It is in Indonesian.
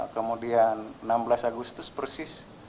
kemudian enam belas agustus persis